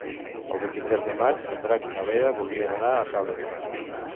El vint-i-tres de maig en Drac i na Lea voldrien anar a Salem.